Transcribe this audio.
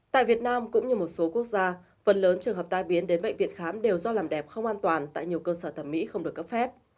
tại việt nam cũng như một số quốc gia phần lớn trường hợp tai biến đến bệnh viện khám đều do làm đẹp không an toàn tại nhiều cơ sở thẩm mỹ không được cấp phép